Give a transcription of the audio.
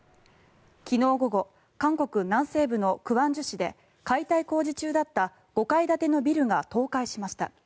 昨日午後、韓国南西部の光州市で解体工事中だった５階建てのビルが倒壊しました。